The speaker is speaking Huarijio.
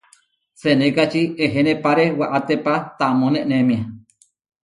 Senékači ehenéparéwaʼatépa taamó nenémia.